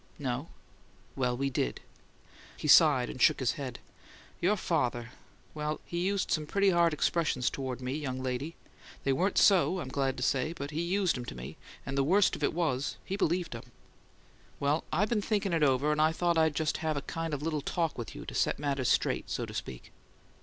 "No." "Well, we did." He sighed and shook his head. "Your father well, he used some pretty hard expressions toward me, young lady. They weren't SO, I'm glad to say, but he used 'em to me, and the worst of it was he believed 'em. Well, I been thinking it over, and I thought I'd just have a kind of little talk with you to set matters straight, so to speak."